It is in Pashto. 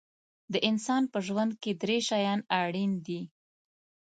د انسان په ژوند کې درې شیان اړین دي.